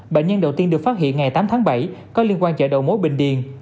bệnh nhân đầu tiên được phát hiện ngày tám tháng bảy có liên quan chạy đậu mối bình điền